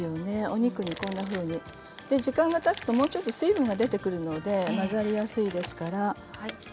お肉に、こんなふうに時間がたつと、もうちょっと水分が出てきますので混ざりやすいですから。